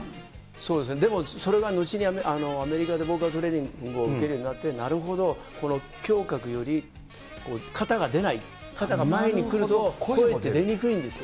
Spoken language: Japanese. そうですね、でもそれがのちにアメリカで僕がトレーニングを受けるようになって、なるほど、この胸郭より、肩が出ない、肩が前に来ると、声って出にくいんですよ。